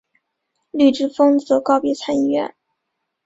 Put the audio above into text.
绿之风则告别参议院。